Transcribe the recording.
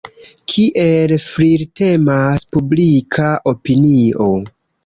Kiel flirtemas publika opinio!